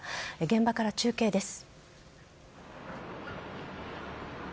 現場から中継です。